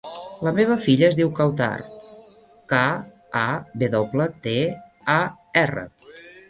La meva filla es diu Kawtar: ca, a, ve doble, te, a, erra.